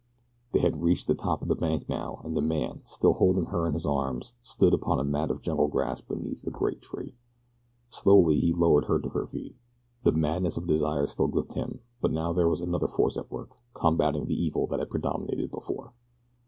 They had reached the top of the bank, now, and the man, still holding her in his arms, stood upon a mat of jungle grass beneath a great tree. Slowly he lowered her to her feet. The madness of desire still gripped him; but now there was another force at work combating the evil that had predominated before.